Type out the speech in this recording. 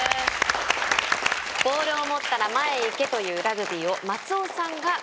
「ボールを持ったら前へ行け！というラグビーを松尾さんが変えた」。